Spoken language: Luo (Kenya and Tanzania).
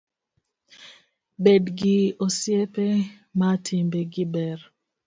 Bed gi osiepe ma timbe gi ber